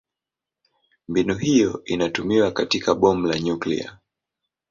Mbinu hiyo inatumiwa katika bomu la nyuklia.